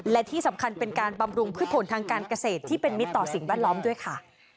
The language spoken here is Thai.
และที่สำคัญเป็นการบำรุงพืชผลทางการเกษตรที่เป็นมิตรต่อสิ่งแวดล้อมด้วยค่ะ